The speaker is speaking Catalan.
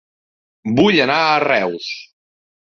Vull anar a Reus